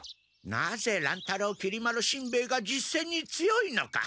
なぜ乱太郎きり丸しんべヱが実戦に強いのか。